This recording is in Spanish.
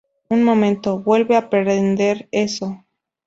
¡ Un momento! ¡ vuelve a prender eso!